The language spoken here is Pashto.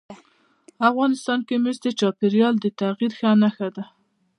افغانستان کې مس د چاپېریال د تغیر نښه ده.